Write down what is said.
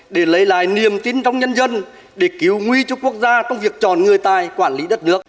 để lấy lại niềm tin trong nhân dân để cứu nguy cho quốc gia trong việc chọn người tài quản lý đất nước